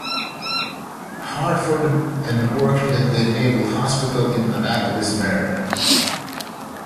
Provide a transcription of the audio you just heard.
Hartford and worked at the Naval Hospital in Annapolis, Maryland.